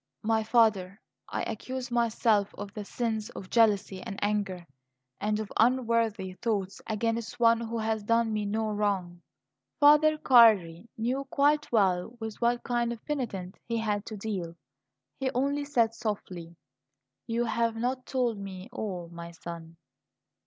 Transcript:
"My father, I accuse myself of the sins of jealousy and anger, and of unworthy thoughts against one who has done me no wrong." Farther Cardi knew quite well with what kind of penitent he had to deal. He only said softly: "You have not told me all, my son."